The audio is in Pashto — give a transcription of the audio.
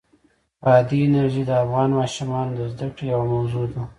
بادي انرژي د افغان ماشومانو د زده کړې یوه موضوع ده.